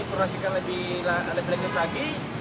kurasikan lebih lanjut lagi